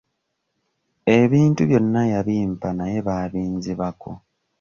Ebintu byonna yambimpa naye baabinzibako.